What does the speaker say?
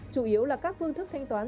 chủ yếu là các phương thức thanh toán